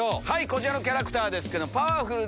こちらのキャラクターですけど。